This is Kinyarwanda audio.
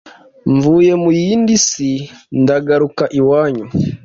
Mvuye mu yindi si ndagaruka iwanyu